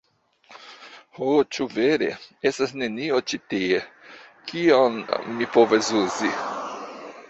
Ho, ĉu vere? Estas nenio ĉi tie? Kion mi povas uzi?